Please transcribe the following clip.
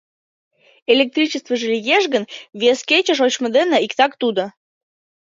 — Электричествыже лиеш гын, вес кече шочмо дене иктак тудо.